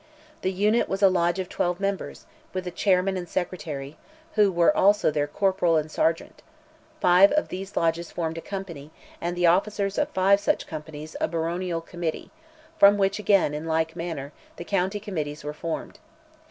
The unit was a lodge of twelve members, with a chairman and secretary, who were also their corporal and sergeant; five of these lodges formed a company, and the officers of five such companies a baronial committee, from which again, in like manner, the county committees were formed.